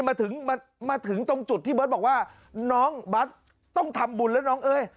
มาถึงมาถึงตรงจุดที่เบิร์ตบอกว่าน้องบัสต้องทำบุญแล้วน้องเอ้ย